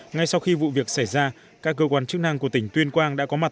ngay sau khi vụ việc xảy ra các cơ quan chức năng của tỉnh tuyên quang đã có mặt